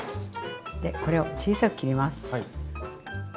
でこれを小さく切ります。